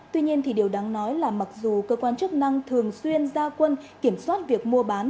tuy nhiên thì điều đáng nói là mặc dù cơ quan chức năng thường xuyên ra quân kiểm soát việc mua bán